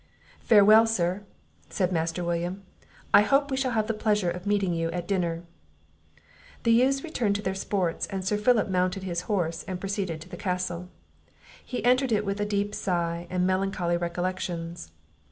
"Farewell, Sir," said Master William; "I hope we shall have the pleasure of meeting you at dinner." The youths returned to their sports, and Sir Philip mounted his horse and proceeded to the castle; he entered it with a deep sigh, and melancholy recollections.